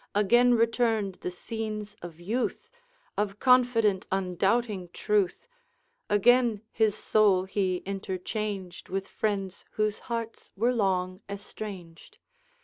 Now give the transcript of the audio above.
Again returned the scenes of youth, Of confident, undoubting truth; Again his soul he interchanged With friends whose hearts were long estranged.